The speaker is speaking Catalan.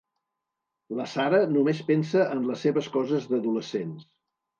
La Sara només pensa en les seves coses d'adolescents.